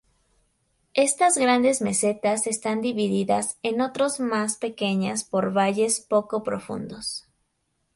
Estas grandes mesetas están divididas en otros más pequeñas por valles poco profundos.